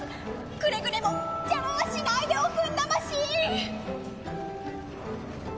くれぐれも邪魔はしないでおくんなまし！